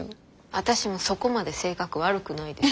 私もそこまで性格悪くないです。